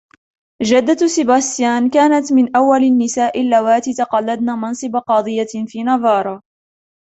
جدة سيباستيان كانت من أول النساء اللواتي تقلدن منصب قاضية في نافارا.